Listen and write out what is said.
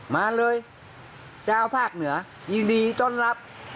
มาเลยเจ้าภาคเหนือยินดีต้อนรับ